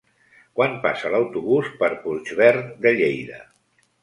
Quan passa l'autobús per Puigverd de Lleida?